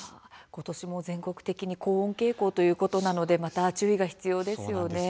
今年も全国的に高温傾向ということなので注意が必要ですね。